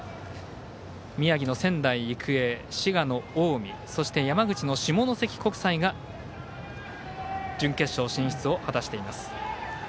宮城の仙台育英、滋賀の近江そして山口の下関国際が準決勝進出を果たしています。